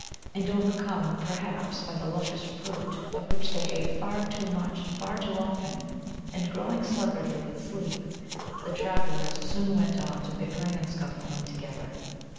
And overcome, perhaps, by the luscious fruit, of which they ate far too much and far too often, and growing sluggardly with sleep, the travellers soon went on to bickering and scuffling together.